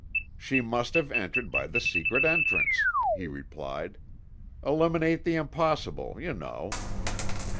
"She must have entered by the secret entrance," he replied. "Eliminate the impossible, you know."